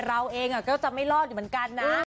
เราเองก็จะไม่รอดเหมือนกันนะ